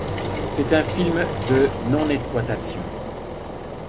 C'est un film de nonnesploitation.